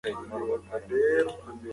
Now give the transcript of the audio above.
په اسلامي نظام کې د هر چا حقوق خوندي دي.